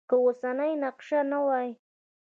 که اوسنی نقش نه وای.